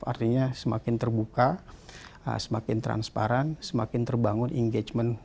artinya semakin terbuka semakin transparan semakin terbangun engagement